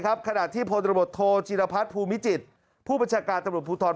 ครับขณะที่ผลระบบโทรจีรพัฐภูมิจิตผู้ประชาการตรวจพุทธร